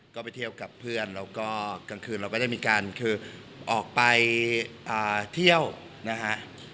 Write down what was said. ก็ไปเที่ยวกับเพื่อนแล้วก็กลางคืนเราก็ได้มีการคือออกไปเที่ยวนะฮะ